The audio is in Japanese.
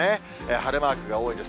晴れマークが多いです。